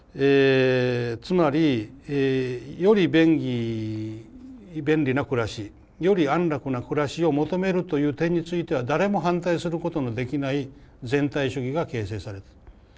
つまりより便利な暮らしより安楽な暮らしを求めるという点については誰も反対することのできない全体主義が形成された。